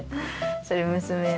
それ娘の。